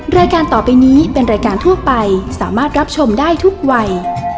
รายการต่อไปนี้เป็นรายการทั่วไปสามารถรับชมได้ทุกวัย